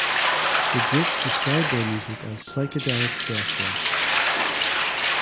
The group described their music as "Psychedelic Death Rock".